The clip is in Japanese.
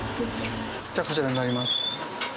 じゃあこちらになります。